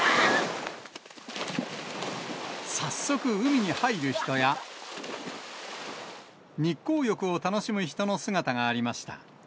早速、海に入る人や、日光浴を楽しむ人の姿がありました。